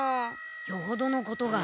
よほどのことが。